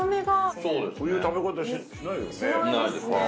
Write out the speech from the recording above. こういう食べ方しないよね。